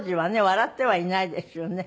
笑ってはいないですよね。